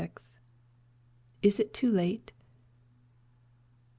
Is it too Late?